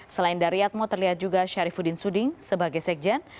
selain daryatmo terlihat juga syarifudin suding sebagai sekjen